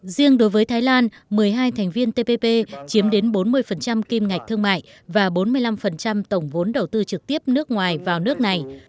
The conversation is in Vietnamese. riêng đối với thái lan một mươi hai thành viên tpp chiếm đến bốn mươi kim ngạch thương mại và bốn mươi năm tổng vốn đầu tư trực tiếp nước ngoài vào nước này